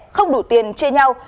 không đủ tiền chê nhau